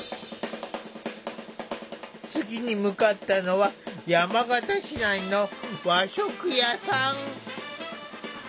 次に向かったのは山形市内の和食屋さん。